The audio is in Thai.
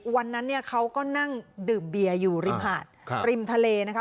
วันนั้นเนี่ยเขาก็นั่งดื่มเบียร์อยู่ริมหาดริมทะเลนะคะ